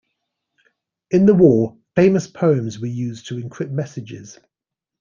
In the war, famous poems were used to encrypt messages.